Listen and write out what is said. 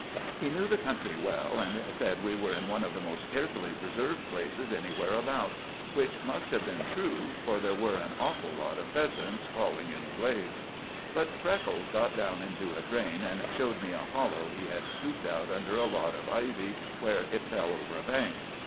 He knew the country well, and said we were in one of the most carefully preserved places anywhere about, which must have been true, for there were an awful lot of pheasants calling in the glades. But Freckles got down into a drain and showed me a hollow he had scooped out under a lot of ivy where it fell over a bank.